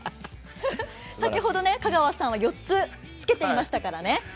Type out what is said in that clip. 先ほど、香川さんは４つつけていましたからね。